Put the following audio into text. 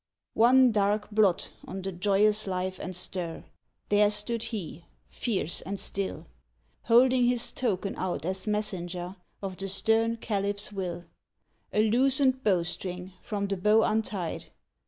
One dark blot on the joyous life and stir, There stood he, fierce and still, Holding his token out as messenger Of the stern Caliph's will A loosened bow string from the bow untied.